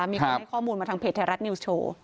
มีคนให้ข้อมูลมาทางเพจไทยรัฐนิวโชว์